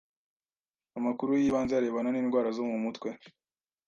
Amakuru y’ibanze arebana n’indwara zo mu mutwe